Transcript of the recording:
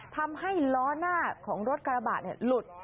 ทำให้ล้อหน้าในรถกรบะหน้าของรถเลยหลุด